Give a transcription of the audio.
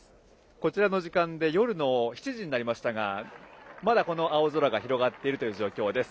こちらの時間で夜の７時になりましたがまだ青空が広がっているという状況です。